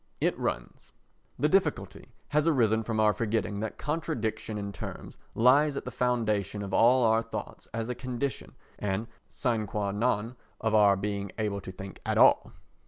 It runs: The difficulty has arisen from our forgetting that contradiction in terms lies at the foundation of all our thoughts as a condition and sine qua non of our being able to think at all.